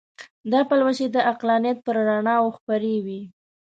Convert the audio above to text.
دا پلوشې د عقلانیت پر رڼاوو خپرې وې.